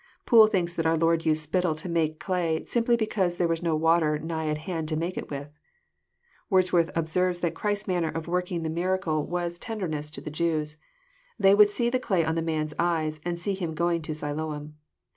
Poole thinks that our Lord used spittle to make clay, simply because there was no water nigh at hand to make it with. Wordsworth observes that Christ's manner of working the miracle was *< tenderness to the Jews. They would see the clay on the man's eyes, and see him going to Siloam."